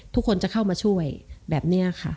ทุกคนจะเข้ามาช่วยแบบนี้ค่ะ